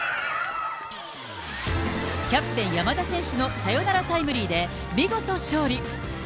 キャプテン、山田選手のサヨナラタイムリーで、見事勝利。